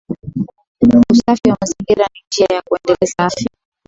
Usafi wa mazingira ni njia ya kuendeleza afya